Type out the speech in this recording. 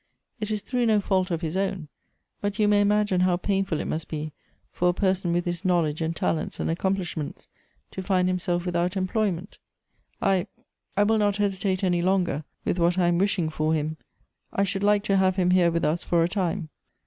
It is through no fault of his own; but you may imagine how painfiil it must be for a person with his knowledge and talents and accomplish ments, to find himself without employment. I — I will not hesitate any longer with what I am wishing for him. I should like to have him here with us for a time."